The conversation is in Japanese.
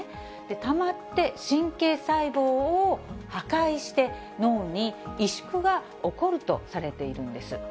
たまって神経細胞を破壊して、脳に萎縮が起こるとされているんです。